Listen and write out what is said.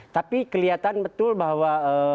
tapi kelihatan betul bahwa